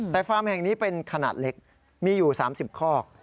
แต่ฟาร์มแห่งนี้เป็นขนาดเล็กมีอยู่๓๐คอก